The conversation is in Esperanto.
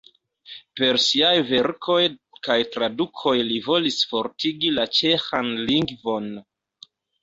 Per siaj verkoj kaj tradukoj li volis fortigi la ĉeĥan lingvon.